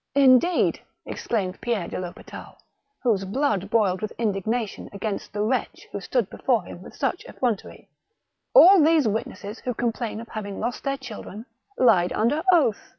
'' Indeed !" exclaimed Pierre de THospital, whose blood boiled with indignation against the wretch who stood before him with such effrontery. "All these witnesses who complain of having lost their children, lied under oath!"